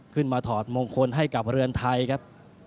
ถอดมงคลให้กับเรือนไทยครับ